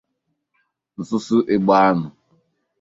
nsụnsụ égbè anọ